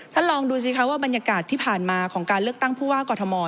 ลองดูสิคะว่าบรรยากาศที่ผ่านมาของการเลือกตั้งผู้ว่ากอทม